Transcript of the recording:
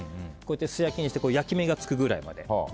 素焼きにして焼き目がつくくらいまで。